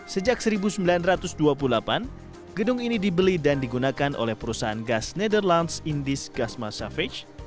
sejak seribu sembilan ratus dua puluh delapan gedung ini dibeli dan digunakan oleh perusahaan gas netherlands indis gasma savage